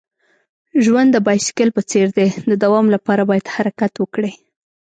ژوند د بایسکل په څیر دی. د دوام لپاره باید حرکت وکړې.